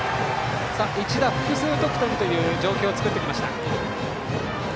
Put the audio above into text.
一打複数得点という状況を作ってきました。